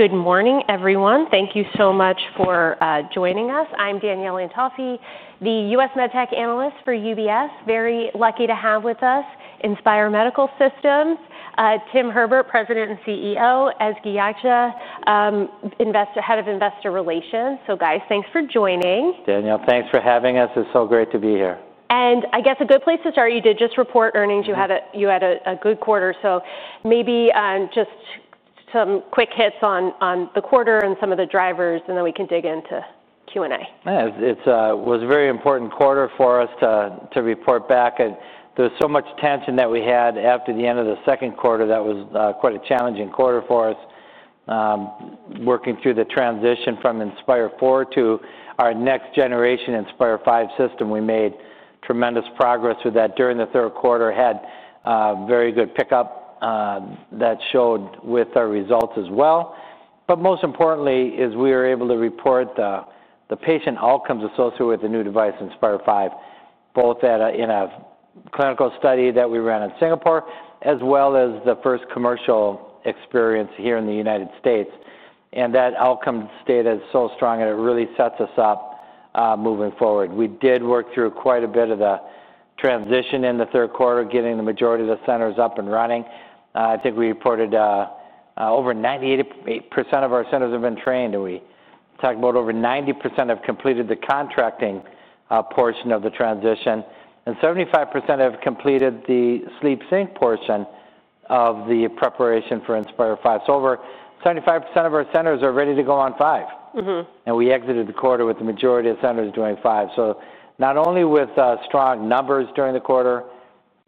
Good morning, everyone. Thank you so much for joining us. I'm Danielle Antalffy, the U.S. MedTech Analyst for UBS. Very lucky to have with us Inspire Medical Systems, Tim Herbert, President and CEO, Ezgi Yagci, Head of Investor Relations. So, guys, thanks for joining. Danielle, thanks for having us. It's so great to be here. I guess a good place to start, you did just report earnings. You had a good quarter. Maybe just some quick hits on the quarter and some of the drivers, and then we can dig into Q&A. Yeah, it was a very important quarter for us to report back. There was so much tension that we had after the end of the second quarter. That was quite a challenging quarter for us, working through the transition from Inspire 4 to our next generation Inspire 5 system. We made tremendous progress with that during the third quarter, had very good pickup that showed with our results as well. Most importantly, we were able to report the patient outcomes associated with the new device, Inspire 5, both in a clinical study that we ran in Singapore, as well as the first commercial experience here in the United States. That outcome stayed so strong, and it really sets us up moving forward. We did work through quite a bit of the transition in the third quarter, getting the majority of the centers up and running. I think we reported, over 98% of our centers have been trained, and we talked about over 90% have completed the contracting portion of the transition, and 75% have completed the Sleep Sync portion of the preparation for Inspire 5. Over 75% of our centers are ready to go on five. Mm-hmm. We exited the quarter with the majority of centers doing five. Not only with strong numbers during the quarter,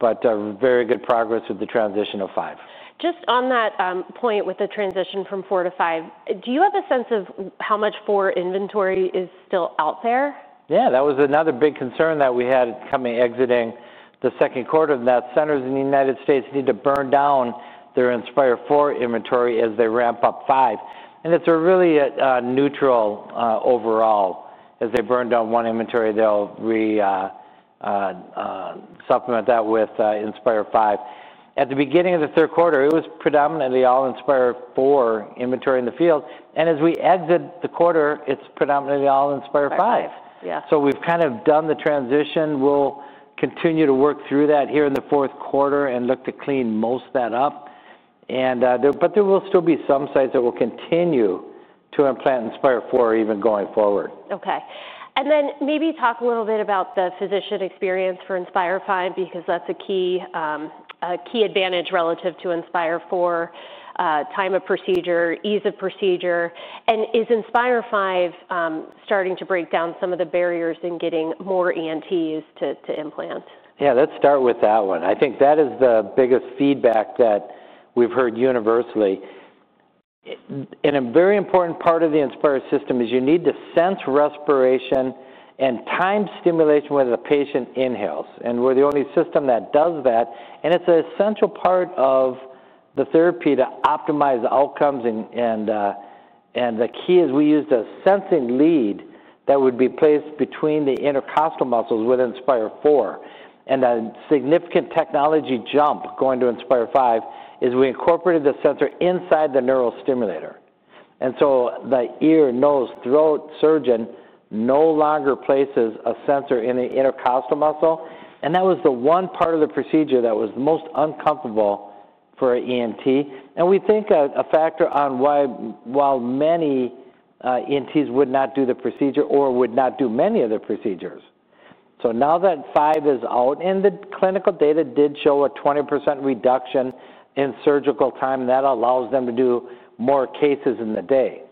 but very good progress with the transition of five. Just on that point, with the transition from four to five, do you have a sense of how much four inventory is still out there? Yeah, that was another big concern that we had coming exiting the second quarter, and that centers in the United States need to burn down their Inspire 4 inventory as they ramp up five. It's really neutral, overall. As they burn down one inventory, they'll re-supplement that with Inspire 5. At the beginning of the third quarter, it was predominantly all Inspire 4 inventory in the field. As we exit the quarter, it's predominantly all Inspire 5. Five. Yeah. We have kind of done the transition. We will continue to work through that here in the fourth quarter and look to clean most that up. There will still be some sites that will continue to implant Inspire 4 even going forward. Okay. Maybe talk a little bit about the physician experience for Inspire 5, because that's a key, a key advantage relative to Inspire 4, time of procedure, ease of procedure. Is Inspire 5 starting to break down some of the barriers in getting more ENTs to implant? Yeah, let's start with that one. I think that is the biggest feedback that we've heard universally. A very important part of the Inspire system is you need to sense respiration and time stimulation when the patient inhales. We're the only system that does that. It's an essential part of the therapy to optimize outcomes. The key is we used a sensing lead that would be placed between the intercostal muscles with Inspire 4. A significant technology jump going to Inspire 5 is we incorporated the sensor inside the neurostimulator. The ear, nose, and throat surgeon no longer places a sensor in the intercostal muscle. That was the one part of the procedure that was the most uncomfortable for an ENT. We think a factor on why, while many ENTs would not do the procedure or would not do many of the procedures. Now that five is out and the clinical data did show a 20% reduction in surgical time, that allows them to do more cases in the day.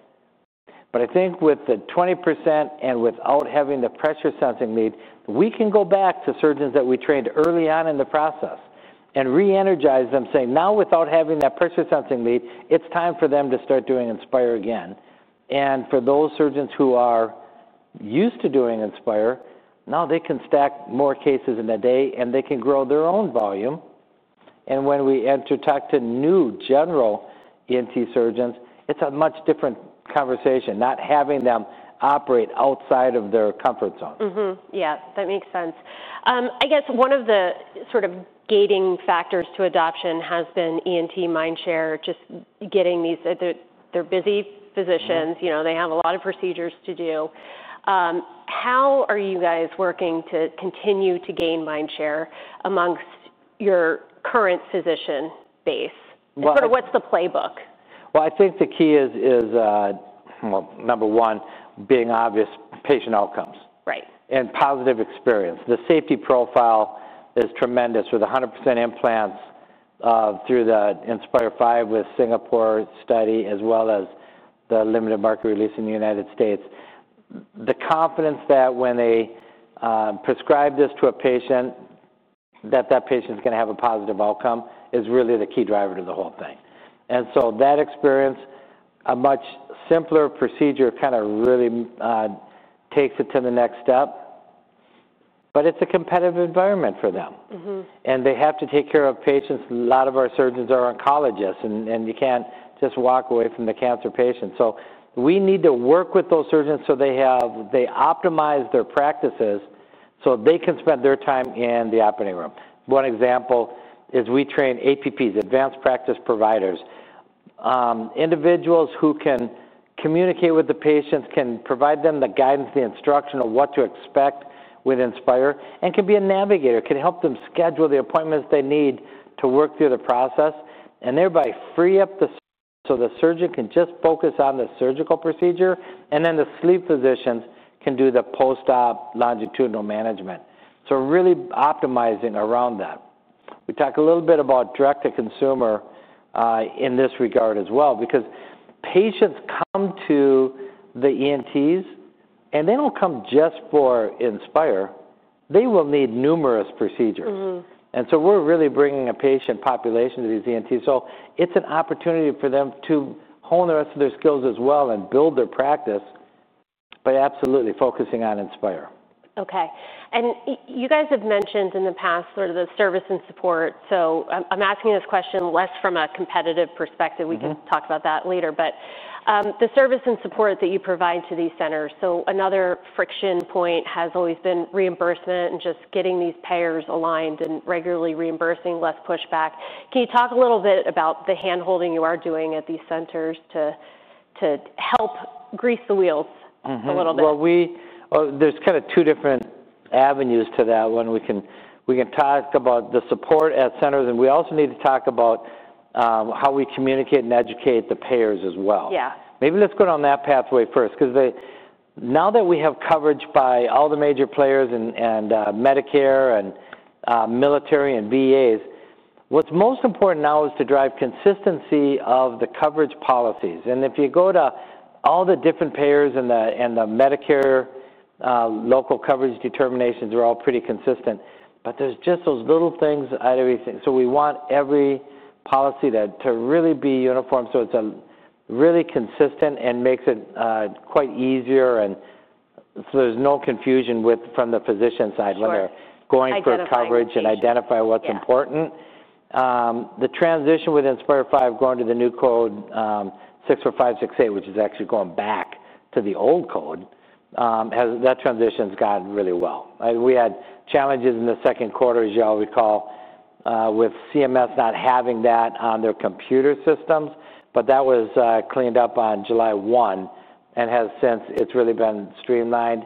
I think with the 20% and without having the pressure sensing lead, we can go back to surgeons that we trained early on in the process and re-energize them, saying, now, without having that pressure sensing lead, it's time for them to start doing Inspire again. For those surgeons who are used to doing Inspire, now they can stack more cases in a day, and they can grow their own volume. When we enter talk to new general ENT surgeons, it's a much different conversation, not having them operate outside of their comfort zone. Mm-hmm. Yeah, that makes sense. I guess one of the sort of gating factors to adoption has been ENT Mindshare, just getting these, they're busy physicians, you know, they have a lot of procedures to do. How are you guys working to continue to gain Mindshare amongst your current physician base? Sort of what's the playbook? I think the key is, number one, being obvious patient outcomes. Right. Positive experience. The safety profile is tremendous with 100% implants, through the Inspire 5 with Singapore study, as well as the limited market release in the United States. The confidence that when they prescribe this to a patient, that that patient's gonna have a positive outcome is really the key driver to the whole thing. That experience, a much simpler procedure, kind of really takes it to the next step. It is a competitive environment for them. Mm-hmm. They have to take care of patients. A lot of our surgeons are oncologists, and you can't just walk away from the cancer patient. We need to work with those surgeons so they optimize their practices so they can spend their time in the operating room. One example is we train APPs, Advanced Practice Providers, individuals who can communicate with the patients, can provide them the guidance, the instruction of what to expect with Inspire, and can be a navigator, can help them schedule the appointments they need to work through the process, and thereby free up the surgeon so the surgeon can just focus on the surgical procedure, and then the sleep physicians can do the post-op longitudinal management. Really optimizing around that. We talk a little bit about direct-to-consumer, in this regard as well, because patients come to the ENTs, and they don't come just for Inspire. They will need numerous procedures. Mm-hmm. We're really bringing a patient population to these ENTs. It's an opportunity for them to hone the rest of their skills as well and build their practice, but absolutely focusing on Inspire. Okay. You guys have mentioned in the past sort of the service and support. I'm asking this question less from a competitive perspective. We can talk about that later. The service and support that you provide to these centers, another friction point has always been reimbursement and just getting these payers aligned and regularly reimbursing, less pushback. Can you talk a little bit about the handholding you are doing at these centers to help grease the wheels a little bit? Mm-hmm. We, there's kind of two different avenues to that one. We can, we can talk about the support at centers, and we also need to talk about how we communicate and educate the payers as well. Yeah. Maybe let's go down that pathway first, 'cause now that we have coverage by all the major players and Medicare and military and VAs, what's most important now is to drive consistency of the coverage policies. If you go to all the different payers and the Medicare local coverage determinations, they are all pretty consistent. There's just those little things out of everything. We want every policy to really be uniform so it's really consistent and makes it quite easier. There's no confusion from the physician side. Sure. When they're going for coverage and identify what's important. Sure. The transition with Inspire 5 going to the new code, 64568, which is actually going back to the old code, has, that transition's gone really well. We had challenges in the second quarter, as you all recall, with CMS not having that on their computer systems. That was cleaned up on July 1 and since, it's really been streamlined.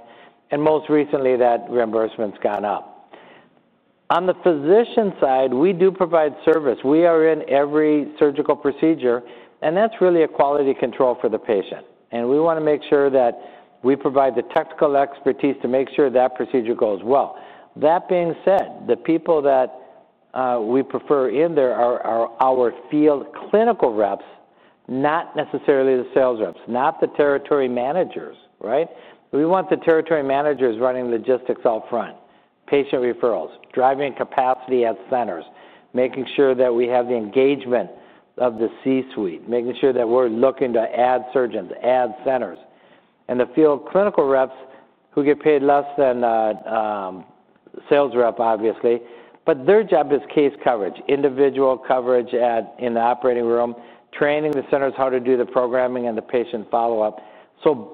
Most recently, that reimbursement's gone up. On the physician side, we do provide service. We are in every surgical procedure, and that's really a quality control for the patient. We wanna make sure that we provide the technical expertise to make sure that procedure goes well. That being said, the people that we prefer in there are our field clinical reps, not necessarily the sales reps, not the territory managers, right? We want the territory managers running logistics upfront, patient referrals, driving capacity at centers, making sure that we have the engagement of the C-suite, making sure that we're looking to add surgeons, add centers. The field clinical reps who get paid less than sales reps, obviously, but their job is case coverage, individual coverage in the operating room, training the centers how to do the programming and the patient follow-up.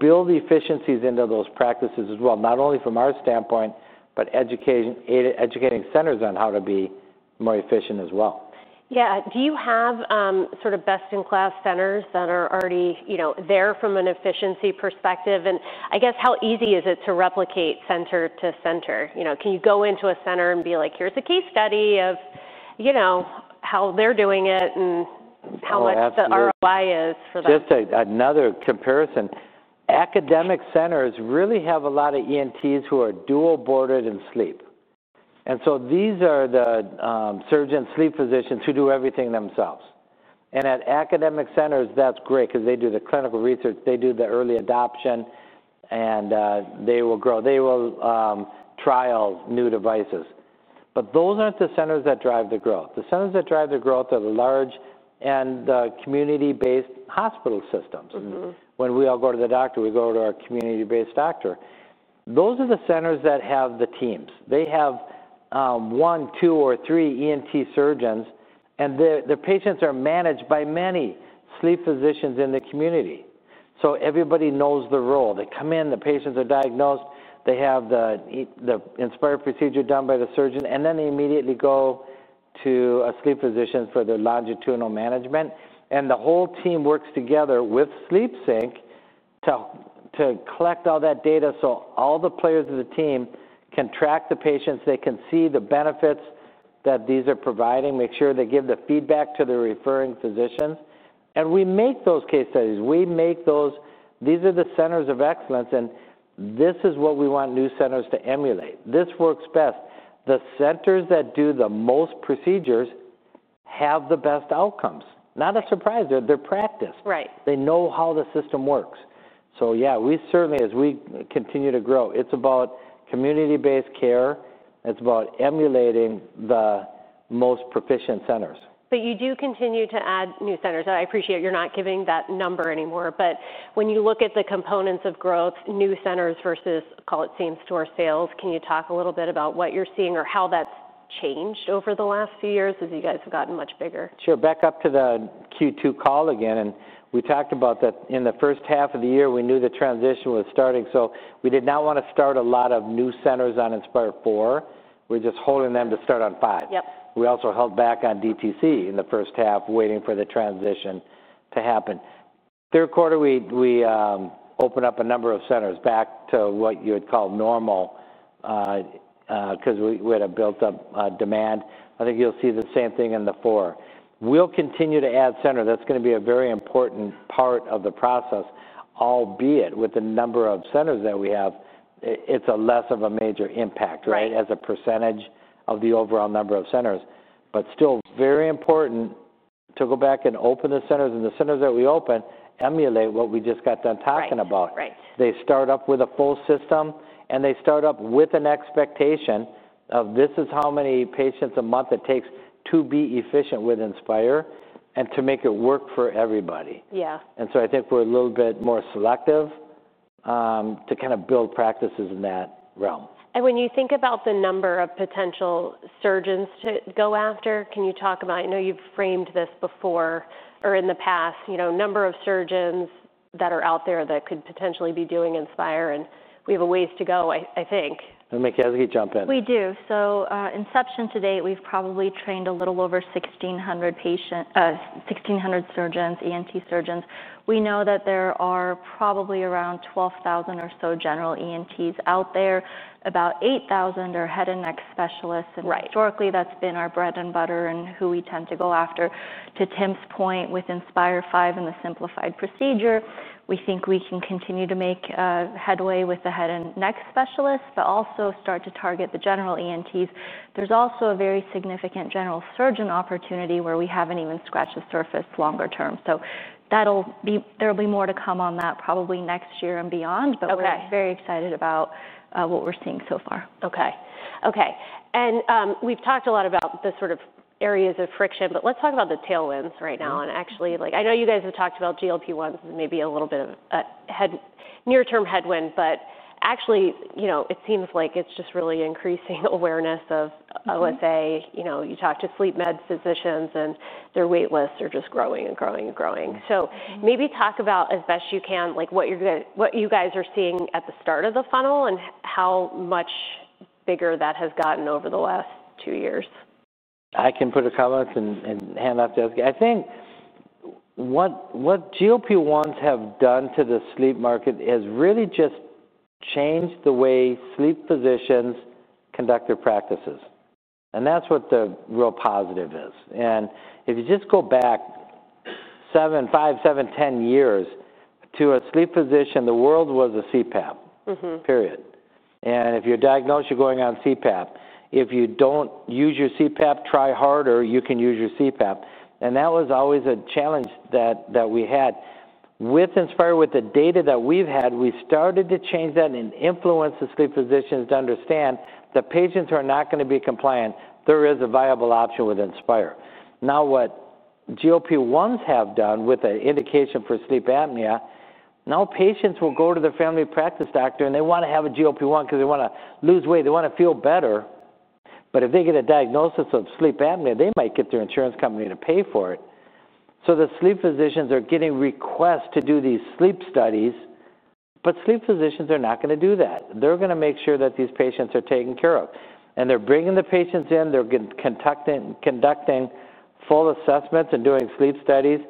Build efficiencies into those practices as well, not only from our standpoint, but educating centers on how to be more efficient as well. Yeah. Do you have, sort of best-in-class centers that are already, you know, there from an efficiency perspective? I guess how easy is it to replicate center to center? You know, can you go into a center and be like, "Here's a case study of, you know, how they're doing it and how much the ROI is for that? Just a, another comparison. Academic centers really have a lot of ENTs who are dual boarded in sleep. And so these are the surgeons, sleep physicians who do everything themselves. At academic centers, that's great 'cause they do the clinical research, they do the early adoption, and they will grow, they will trial new devices. Those aren't the centers that drive the growth. The centers that drive the growth are the large and the community-based hospital systems. Mm-hmm. When we all go to the doctor, we go to our community-based doctor. Those are the centers that have the teams. They have one, two, or three ENT surgeons, and their patients are managed by many sleep physicians in the community. Everybody knows the role. They come in, the patients are diagnosed, they have the Inspire procedure done by the surgeon, and they immediately go to a sleep physician for their longitudinal management. The whole team works together with Sleep Sync to collect all that data so all the players of the team can track the patients, they can see the benefits that these are providing, make sure they give the feedback to the referring physicians. We make those case studies. We make those, these are the centers of excellence, and this is what we want new centers to emulate. This works best. The centers that do the most procedures have the best outcomes. Not a surprise. They're practiced. Right. They know how the system works. Yeah, we certainly, as we continue to grow, it's about community-based care. It's about emulating the most proficient centers. You do continue to add new centers. I appreciate you're not giving that number anymore. When you look at the components of growth, new centers versus, call it, same-store sales, can you talk a little bit about what you're seeing or how that's changed over the last few years as you guys have gotten much bigger? Sure. Back up to the Q2 call again. We talked about that in the first half of the year, we knew the transition was starting. We did not wanna start a lot of new centers on Inspire 4. We were just holding them to start on 5. Yep. We also held back on DTC in the first half, waiting for the transition to happen. Third quarter, we opened up a number of centers back to what you would call normal, 'cause we had a built-up demand. I think you'll see the same thing in the 4. We'll continue to add centers. That's gonna be a very important part of the process, albeit with the number of centers that we have, it's a less of a major impact, right? Right. As a percentage of the overall number of centers, it is still very important to go back and open the centers. The centers that we open emulate what we just got done talking about. Right. Right. They start up with a full system, and they start up with an expectation of this is how many patients a month it takes to be efficient with Inspire and to make it work for everybody. Yeah. I think we're a little bit more selective, to kind of build practices in that realm. When you think about the number of potential surgeons to go after, can you talk about, I know you've framed this before or in the past, you know, number of surgeons that are out there that could potentially be doing Inspire, and we have a ways to go, I think. Let me—can I jump in? We do. So, inception to date, we've probably trained a little over 1,600 surgeons, ENT surgeons. We know that there are probably around 12,000 or so general ENTs out there, about 8,000 are head and neck specialists. Right. Historically, that's been our bread and butter and who we tend to go after. To Tim's point, with Inspire 5 and the simplified procedure, we think we can continue to make headway with the head and neck specialists, but also start to target the general ENTs. There's also a very significant general surgeon opportunity where we haven't even scratched the surface longer term. That'll be—there'll be more to come on that probably next year and beyond. Okay. We're very excited about what we're seeing so far. Okay. Okay. We've talked a lot about the sort of areas of friction, but let's talk about the tailwinds right now. Mm-hmm. Actually, like, I know you guys have talked about GLP-1s as maybe a little bit of a near-term headwind, but actually, you know, it seems like it's just really increasing awareness of OSA. Mm-hmm. You know, you talk to sleep med physicians, and their waitlists are just growing and growing and growing. Mm-hmm. Maybe talk about, as best you can, like, what you're gonna—what you guys are seeing at the start of the funnel and how much bigger that has gotten over the last two years. I can put a comment and hand off to—I think what GLP-1s have done to the sleep market has really just changed the way sleep physicians conduct their practices. That's what the real positive is. If you just go back 7, 5, 7, 10 years to a sleep physician, the world was a CPAP. Mm-hmm. Period. If you're diagnosed, you're going on CPAP. If you don't use your CPAP, try harder, you can use your CPAP. That was always a challenge that we had with Inspire. With the data that we've had, we started to change that and influence the sleep physicians to understand the patients who are not gonna be compliant, there is a viable option with Inspire. Now what GLP-1s have done with an indication for sleep apnea, now patients will go to their family practice doctor, and they wanna have a GLP-1 'cause they wanna lose weight, they wanna feel better. If they get a diagnosis of sleep apnea, they might get their insurance company to pay for it. The sleep physicians are getting requests to do these sleep studies, but sleep physicians are not gonna do that. They're gonna make sure that these patients are taken care of. They're bringing the patients in, conducting full assessments and doing sleep studies.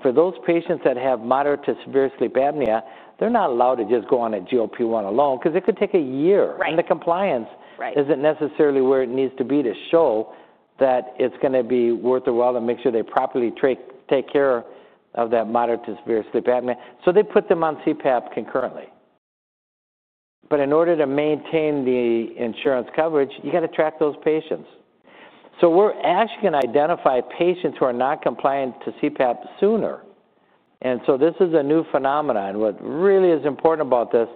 For those patients that have moderate to severe sleep apnea, they're not allowed to just go on a GLP-1 alone 'cause it could take a year. Right. The compliance. Right. Isn't necessarily where it needs to be to show that it's gonna be worth the while and make sure they properly take care of that moderate to severe sleep apnea. They put them on CPAP concurrently. In order to maintain the insurance coverage, you gotta track those patients. We're actually gonna identify patients who are not compliant to CPAP sooner. This is a new phenomenon. What really is important about this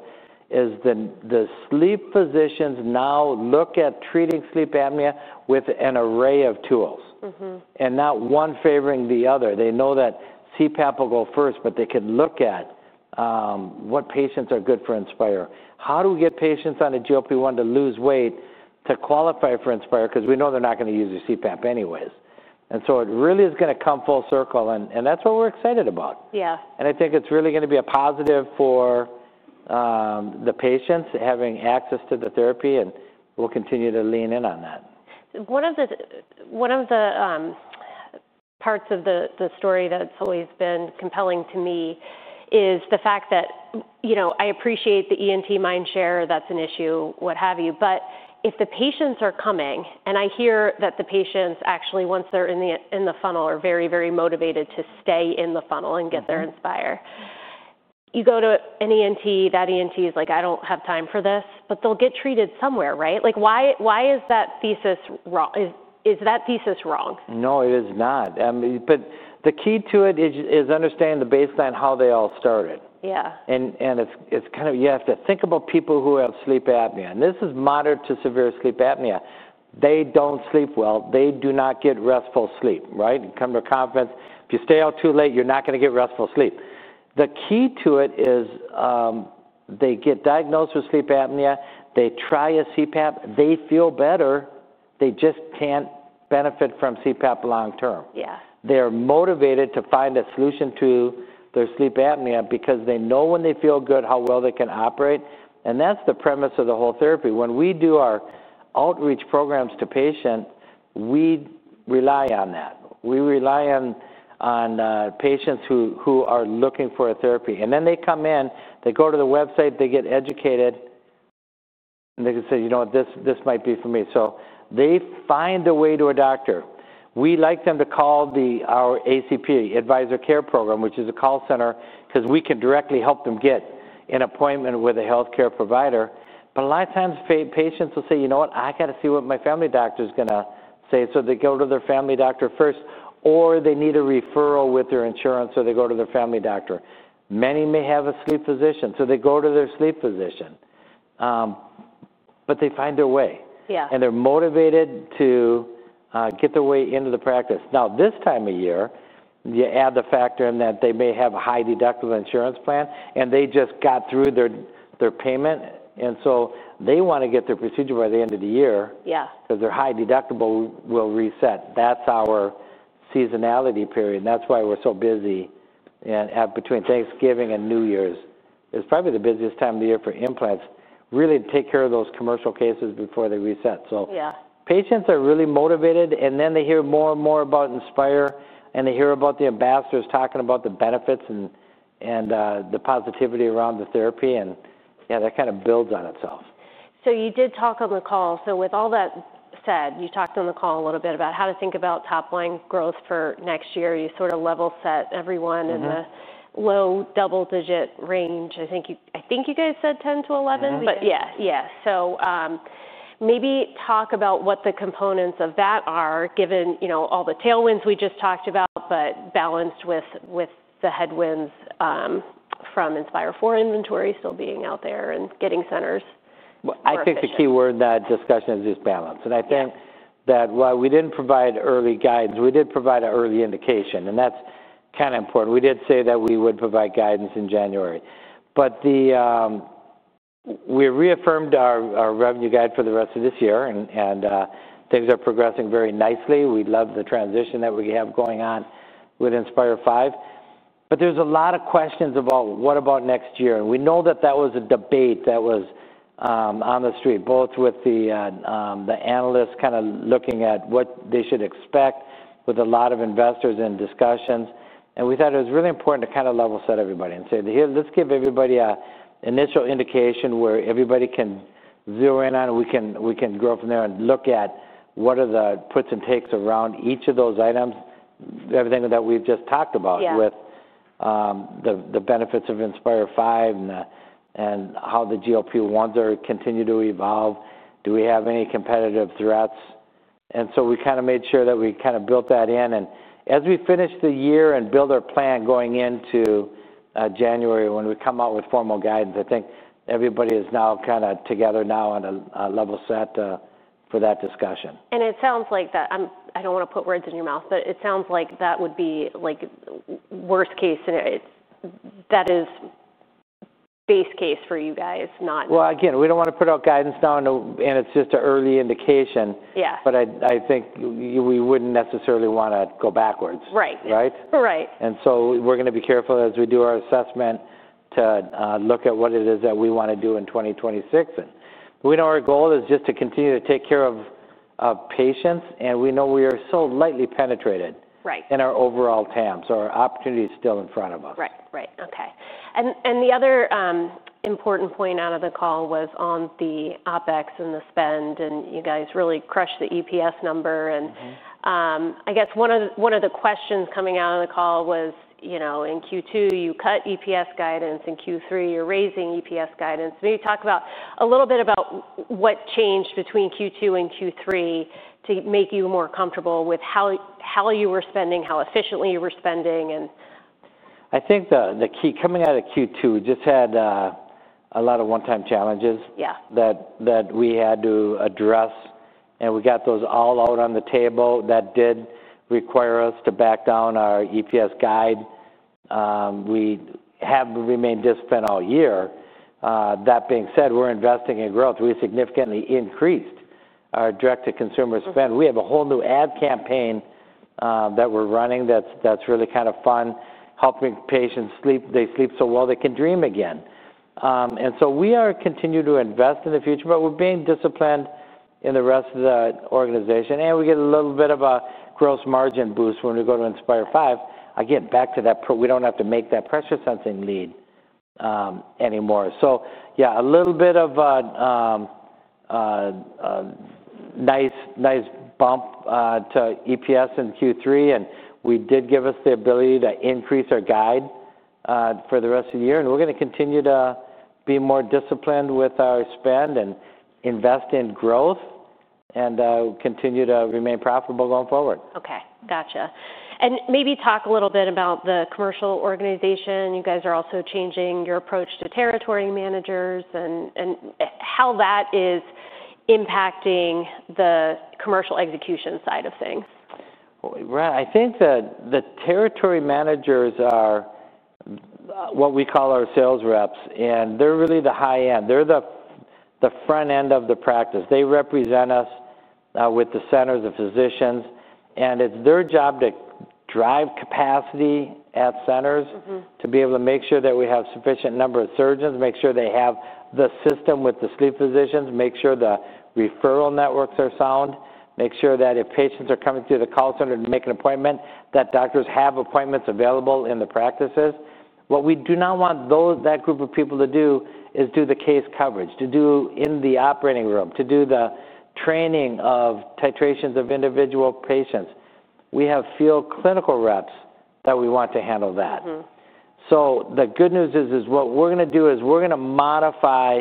is the sleep physicians now look at treating sleep apnea with an array of tools. Mm-hmm. Not one favoring the other. They know that CPAP will go first, but they can look at what patients are good for Inspire. How do we get patients on a GLP-1 to lose weight to qualify for Inspire? 'Cause we know they're not gonna use their CPAP anyways. It really is gonna come full circle, and that's what we're excited about. Yeah. I think it's really gonna be a positive for the patients having access to the therapy, and we'll continue to lean in on that. One of the parts of the story that's always been compelling to me is the fact that, you know, I appreciate the ENT mind share, that's an issue, what have you. If the patients are coming, and I hear that the patients actually, once they're in the funnel, are very, very motivated to stay in the funnel and get their Inspire, you go to an ENT, that ENT is like, "I don't have time for this," but they'll get treated somewhere, right? Why is that thesis wrong? Is that thesis wrong? No, it is not. I mean, the key to it is understanding the baseline, how they all started. Yeah. You have to think about people who have sleep apnea. And this is moderate to severe sleep apnea. They do not sleep well. They do not get restful sleep, right? You come to a conference. If you stay out too late, you are not going to get restful sleep. The key to it is, they get diagnosed with sleep apnea, they try a CPAP, they feel better, they just cannot benefit from CPAP long-term. Yeah. They're motivated to find a solution to their sleep apnea because they know when they feel good, how well they can operate. That's the premise of the whole therapy. When we do our outreach programs to patients, we rely on that. We rely on patients who are looking for a therapy. They come in, they go to the website, they get educated, and they can say, "You know what? This might be for me." They find a way to a doctor. We like them to call our ACP, Advisor Care Program, which is a call center, because we can directly help them get an appointment with a healthcare provider. A lot of times, patients will say, "You know what? I gotta see what my family doctor's gonna say." So they go to their family doctor first, or they need a referral with their insurance, so they go to their family doctor. Many may have a sleep physician, so they go to their sleep physician. but they find their way. Yeah. They're motivated to get their way into the practice. Now, this time of year, you add the factor in that they may have a high deductible insurance plan, and they just got through their payment. They wanna get their procedure by the end of the year. Yeah. 'Cause their high deductible will reset. That's our seasonality period. That's why we're so busy at, at between Thanksgiving and New Year's. It's probably the busiest time of the year for implants, really to take care of those commercial cases before they reset. Yeah. Patients are really motivated, and then they hear more and more about Inspire, and they hear about the ambassadors talking about the benefits and the positivity around the therapy. Yeah, that kind of builds on itself. You did talk on the call. With all that said, you talked on the call a little bit about how to think about top-line growth for next year. You sort of level set everyone in the. Mm-hmm. Low double-digit range. I think you, I think you guys said 10-11. Mm-hmm. Yeah, yeah. Maybe talk about what the components of that are, given, you know, all the tailwinds we just talked about, but balanced with the headwinds from Inspire 4 inventory still being out there and getting centers accessible. I think the key word in that discussion is balance. Yeah. I think that while we did not provide early guidance, we did provide an early indication, and that is kinda important. We did say that we would provide guidance in January. We reaffirmed our revenue guide for the rest of this year, and things are progressing very nicely. We love the transition that we have going on with Inspire 5. There are a lot of questions about what about next year. We know that was a debate that was on the street, both with the analysts kinda looking at what they should expect with a lot of investors and discussions. We thought it was really important to kinda level set everybody and say, "Here, let's give everybody an initial indication where everybody can zero in on, and we can grow from there and look at what are the puts and takes around each of those items, everything that we've just talked about. Yeah. With the benefits of Inspire 5 and how the GLP-1s are continuing to evolve, do we have any competitive threats? We kinda made sure that we built that in. As we finish the year and build our plan going into January when we come out with formal guidance, I think everybody is now kinda together now on a level set for that discussion. It sounds like that I'm, I don't wanna put words in your mouth, but it sounds like that would be like worst case, and that is base case for you guys, not. Again, we don't wanna put out guidance now, and it's just an early indication. Yeah. I think we wouldn't necessarily wanna go backwards. Right. Right? Right. We're gonna be careful as we do our assessment to look at what it is that we wanna do in 2026. We know our goal is just to continue to take care of patients, and we know we are so lightly penetrated. Right. In our overall TAM, our opportunity is still in front of us. Right. Okay. The other important point out of the call was on the OpEx and the spend, and you guys really crushed the EPS number. I guess one of the questions coming out of the call was, you know, in Q2, you cut EPS guidance. In Q3, you're raising EPS guidance. Maybe talk a little bit about what changed between Q2 and Q3 to make you more comfortable with how you were spending, how efficiently you were spending. I think the key coming out of Q2, we just had a lot of one-time challenges. Yeah. That we had to address, and we got those all out on the table. That did require us to back down our EPS guide. We have remained disciplined all year. That being said, we're investing in growth. We significantly increased our direct-to-consumer spend. Mm-hmm. We have a whole new ad campaign that we're running that's really kinda fun, helping patients sleep. They sleep so well, they can dream again. We are continuing to invest in the future, but we're being disciplined in the rest of the organization. We get a little bit of a gross margin boost when we go to Inspire 5. Again, back to that pro, we don't have to make that pressure-sensing lead anymore. Yeah, a little bit of a nice, nice bump to EPS in Q3. We did give us the ability to increase our guide for the rest of the year. We're gonna continue to be more disciplined with our spend and invest in growth and continue to remain profitable going forward. Okay. Gotcha. Maybe talk a little bit about the commercial organization. You guys are also changing your approach to territory managers and how that is impacting the commercial execution side of things. I think the territory managers are what we call our sales reps, and they're really the high end. They're the front end of the practice. They represent us with the centers, the physicians. And it's their job to drive capacity at centers. Mm-hmm. To be able to make sure that we have sufficient number of surgeons, make sure they have the system with the sleep physicians, make sure the referral networks are sound, make sure that if patients are coming through the call center to make an appointment, that doctors have appointments available in the practices. What we do not want that group of people to do is do the case coverage, to do in the operating room, to do the training of titrations of individual patients. We have field clinical reps that we want to handle that. Mm-hmm. The good news is, what we're gonna do is we're gonna modify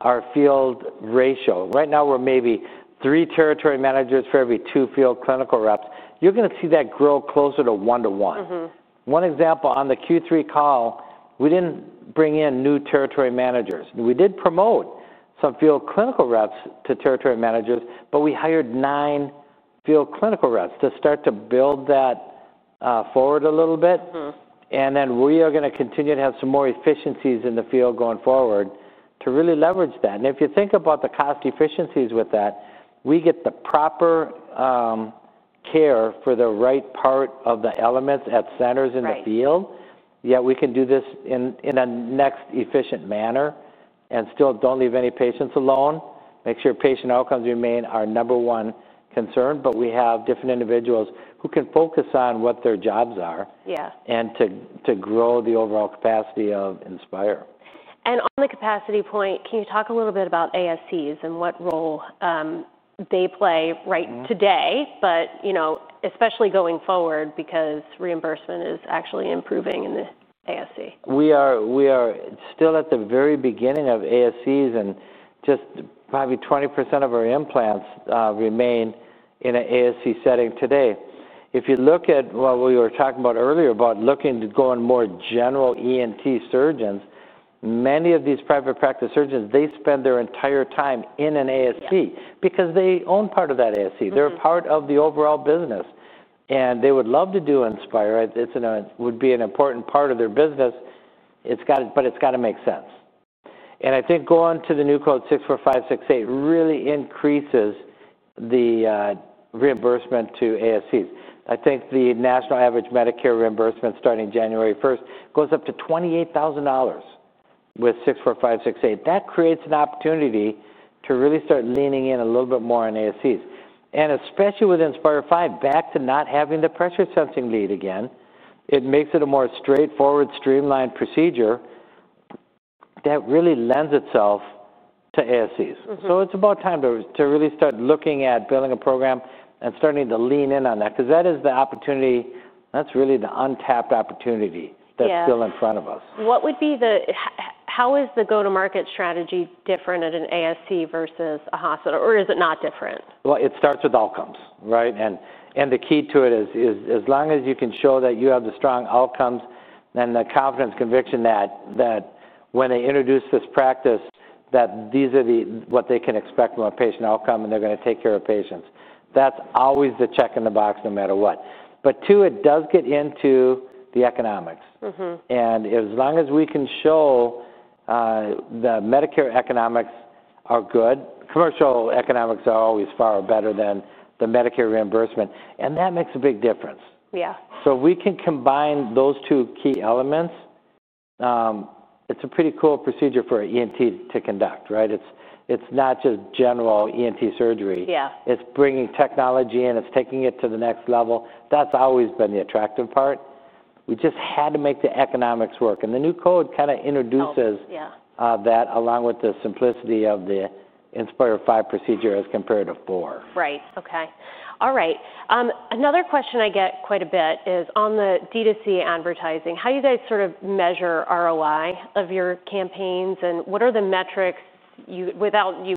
our field ratio. Right now, we're maybe three territory managers for every two field clinical reps. You're gonna see that grow closer to one-to-one. Mm-hmm. One example on the Q3 call, we did not bring in new territory managers. We did promote some field clinical reps to territory managers, but we hired nine field clinical reps to start to build that forward a little bit. Mm-hmm. We are gonna continue to have some more efficiencies in the field going forward to really leverage that. If you think about the cost efficiencies with that, we get the proper care for the right part of the elements at centers in the field. Right. Yeah, we can do this in a next efficient manner and still don't leave any patients alone. Make sure patient outcomes remain our number one concern, but we have different individuals who can focus on what their jobs are. Yeah. To grow the overall capacity of Inspire. On the capacity point, can you talk a little bit about ASCs and what role they play right today, but, you know, especially going forward because reimbursement is actually improving in the ASC? We are still at the very beginning of ASCs, and just probably 20% of our implants remain in an ASC setting today. If you look at what we were talking about earlier about looking to go in more general ENT surgeons, many of these private practice surgeons, they spend their entire time in an ASC because they own part of that ASC. Mm-hmm. They're part of the overall business, and they would love to do Inspire. It's an, would be an important part of their business. It's gotta, but it's gotta make sense. I think going to the new code 64568 really increases the reimbursement to ASCs. I think the national average Medicare reimbursement starting January 1st goes up to $28,000 with 64568. That creates an opportunity to really start leaning in a little bit more on ASCs. Especially with Inspire 5, back to not having the pressure-sensing lead again, it makes it a more straightforward, streamlined procedure that really lends itself to ASCs. Mm-hmm. It's about time to really start looking at building a program and starting to lean in on that 'cause that is the opportunity. That's really the untapped opportunity that's still in front of us. Yeah. What would be the, how is the go-to-market strategy different at an ASC versus a hospital, or is it not different? It starts with outcomes, right? And the key to it is, as long as you can show that you have the strong outcomes and the confidence, conviction that, that when they introduce this practice, that these are what they can expect from a patient outcome, and they're gonna take care of patients. That's always the check in the box no matter what. Two, it does get into the economics. Mm-hmm. As long as we can show, the Medicare economics are good, commercial economics are always far better than the Medicare reimbursement, and that makes a big difference. Yeah. If we can combine those two key elements, it's a pretty cool procedure for ENT to conduct, right? It's not just general ENT surgery. Yeah. It's bringing technology in. It's taking it to the next level. That's always been the attractive part. We just had to make the economics work. The new code kinda introduces. Oh, yeah. that along with the simplicity of the Inspire 5 procedure as compared to 4. Right. Okay. All right. Another question I get quite a bit is on the DTC advertising. How do you guys sort of measure ROI of your campaigns, and what are the metrics you, without you,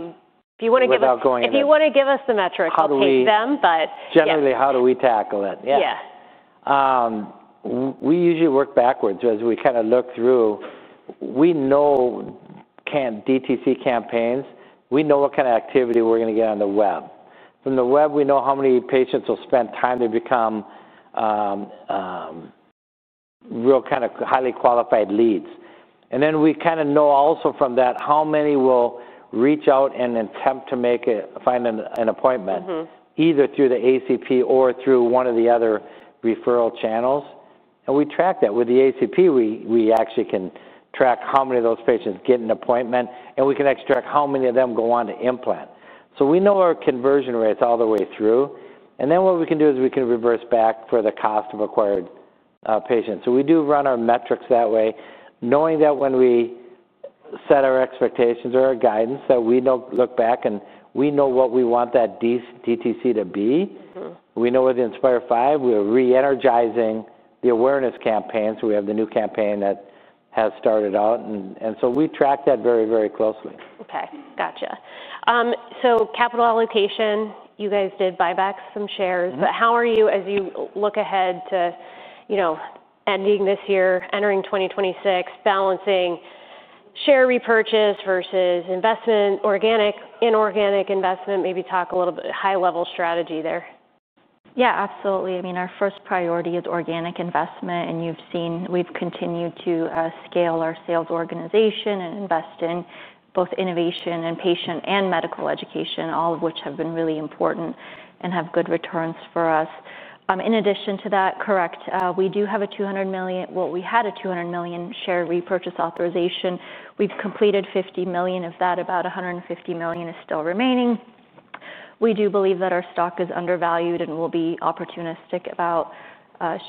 if you wanna give us. Without going out. If you wanna give us the metrics. How do we? I'll take them, but. Generally, how do we tackle it? Yeah. Yeah. We usually work backwards as we kinda look through. We know, can DTC campaigns, we know what kinda activity we're gonna get on the web. From the web, we know how many patients will spend time to become, real kinda highly qualified leads. We kinda know also from that how many will reach out and attempt to make a, find an appointment. Mm-hmm. Either through the ACP or through one of the other referral channels. We track that. With the ACP, we actually can track how many of those patients get an appointment, and we can extract how many of them go on to implant. We know our conversion rates all the way through. What we can do is we can reverse back for the cost of acquired patients. We do run our metrics that way, knowing that when we set our expectations or our guidance, we know, look back, and we know what we want that DTC to be. Mm-hmm. We know with Inspire 5, we're re-energizing the awareness campaign. We have the new campaign that has started out, and we track that very, very closely. Okay. Gotcha. So capital allocation, you guys did buy back some shares. Mm-hmm. How are you as you look ahead to, you know, ending this year, entering 2026, balancing share repurchase versus investment, organic, inorganic investment? Maybe talk a little bit high-level strategy there. Yeah, absolutely. I mean, our first priority is organic investment, and you've seen we've continued to scale our sales organization and invest in both innovation and patient and medical education, all of which have been really important and have good returns for us. In addition to that, correct, we do have a $200 million, well, we had a $200 million share repurchase authorization. We've completed $50 million of that. About $150 million is still remaining. We do believe that our stock is undervalued and will be opportunistic about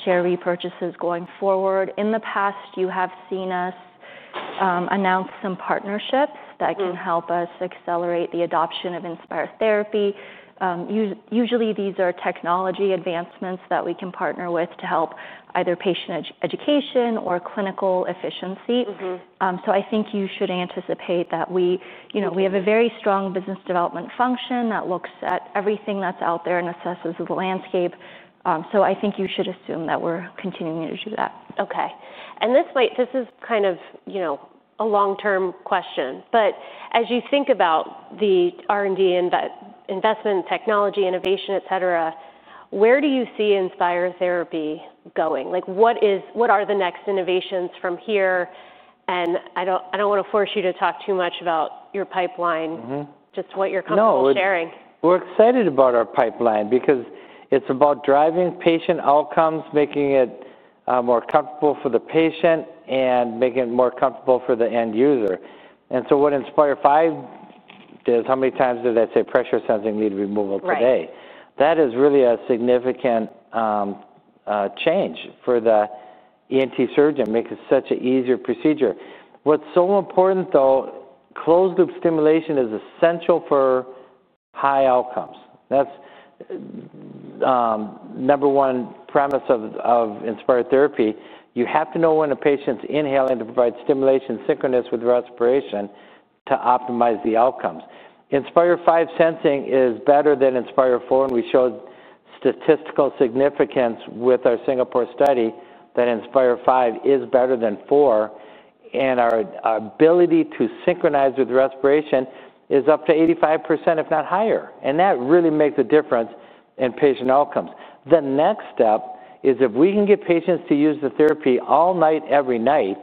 share repurchases going forward. In the past, you have seen us announce some partnerships that can help us accelerate the adoption of Inspire therapy. Usually, these are technology advancements that we can partner with to help either patient education or clinical efficiency. Mm-hmm. I think you should anticipate that we, you know, we have a very strong business development function that looks at everything that's out there and assesses the landscape. I think you should assume that we're continuing to do that. Okay. This is kind of, you know, a long-term question, but as you think about the R&D and the investment, technology, innovation, etc., where do you see Inspire therapy going? Like, what are the next innovations from here? I don't, I don't wanna force you to talk too much about your pipeline. Mm-hmm. Just what your company's sharing. No, we're excited about our pipeline because it's about driving patient outcomes, making it more comfortable for the patient and making it more comfortable for the end user. What Inspire 5 does, how many times did I say pressure-sensing lead removal today? Right. That is really a significant change for the ENT surgeon, makes it such an easier procedure. What's so important, though, closed-loop stimulation is essential for high outcomes. That's number one premise of Inspire therapy. You have to know when a patient's inhaling to provide stimulation synchronous with respiration to optimize the outcomes. Inspire 5 sensing is better than Inspire 4. We showed statistical significance with our Singapore study that Inspire 5 is better than 4, and our ability to synchronize with respiration is up to 85%, if not higher. That really makes a difference in patient outcomes. The next step is if we can get patients to use the therapy all night, every night,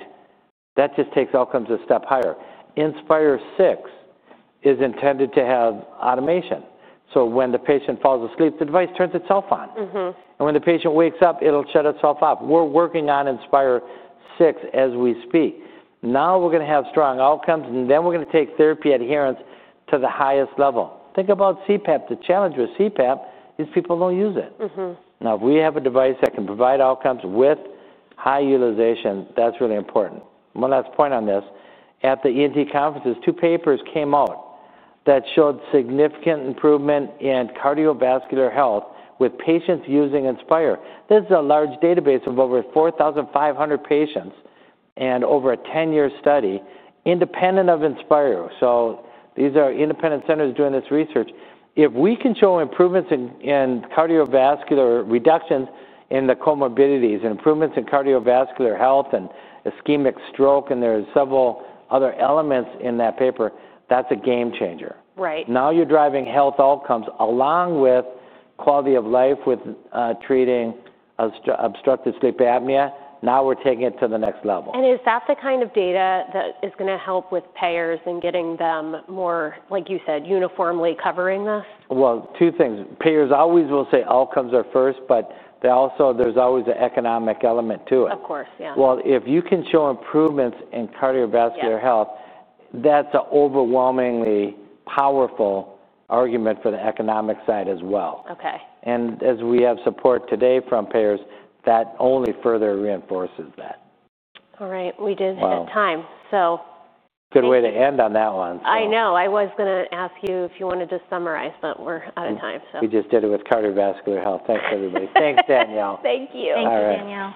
that just takes outcomes a step higher. Inspire 6 is intended to have automation. When the patient falls asleep, the device turns itself on. Mm-hmm. When the patient wakes up, it'll shut itself off. We're working on Inspire 6 as we speak. Now we're gonna have strong outcomes, and then we're gonna take therapy adherence to the highest level. Think about CPAP. The challenge with CPAP is people don't use it. Mm-hmm. Now, if we have a device that can provide outcomes with high utilization, that's really important. One last point on this. At the ENT conferences, two papers came out that showed significant improvement in cardiovascular health with patients using Inspire. This is a large database of over 4,500 patients and over a 10-year study independent of Inspire. These are independent centers doing this research. If we can show improvements in cardiovascular reductions in the comorbidities and improvements in cardiovascular health and ischemic stroke, and there are several other elements in that paper, that's a game changer. Right. Now you're driving health outcomes along with quality of life with, treating obstructive sleep apnea. Now we're taking it to the next level. Is that the kind of data that is gonna help with payers and getting them more, like you said, uniformly covering this? Two things. Payers always will say outcomes are first, but they also there's always an economic element to it. Of course, yeah. If you can show improvements in cardiovascular health, that's an overwhelmingly powerful argument for the economic side as well. Okay. As we have support today from payers, that only further reinforces that. All right. We did have time, so. Good way to end on that one. I know. I was gonna ask you if you wanted to summarize, but we're out of time, so. We just did it with cardiovascular health. Thanks, everybody. Thanks, Danielle. Thank you. All right. Thank you, Danielle.